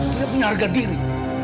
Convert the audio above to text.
tidak menarga diri